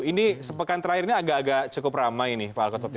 ini sepekan terakhir ini agak agak cukup ramai nih pak alkotot ya